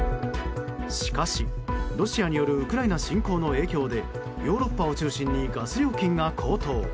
しかしロシアによるウクライナ侵攻の影響でヨーロッパを中心にガス料金が高騰。